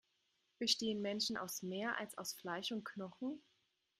Bestehen Menschen aus mehr, als aus Fleisch und Knochen?